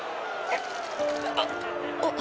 えっ？